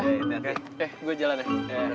oke gue jalan ya